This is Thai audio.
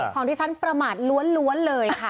ของที่ฉันประมาทล้วนเลยค่ะ